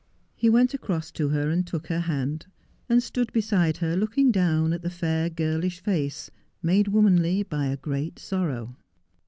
He went across to her and took her hand, and stood beside her looking down at the fair girlish facs, made womanly by a great sorrow.